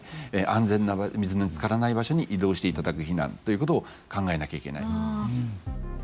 安全な水につからない場所に移動していただく避難ということを考えなきゃいけない。